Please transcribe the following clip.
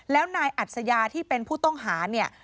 แล้วนายอัศยาที่เป็นผู้ต้องหาเนี่ย